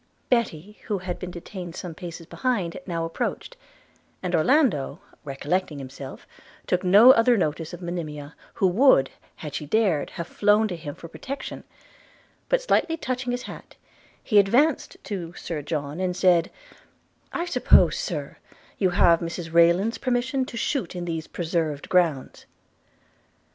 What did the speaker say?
Betty, who had been detained some paces behind, now approached; and Orlando, recollecting himself, took no other notice of Monimia, who would, had she dared, have flown to him for protection: but, slightly touching his hat, he advanced to Sir John, and said, 'I suppose, Sir, you have Mrs Rayland's permission to shoot in these preserved grounds?'